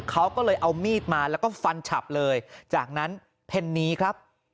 เขาก็เลยเอามีดมาแล้วก็ฟันฉับเลยจากนั้นเพนนี้ครับ